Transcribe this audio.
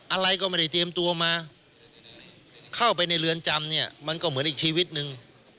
อะไรก็ไม่ได้เตรียมตัวมาเข้าไปในเรือนจำเนี่ยมันก็เหมือนอีกชีวิตนึง